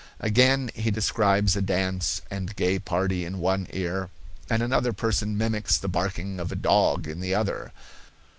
Again, he describes a dance and gay party in one ear, and another person mimics the barking of a dog in the other.